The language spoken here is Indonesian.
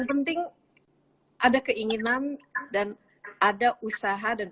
yang penting ada keinginan dan ada usaha dan